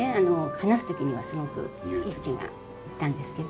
話す時にはすごく勇気がいったんですけど。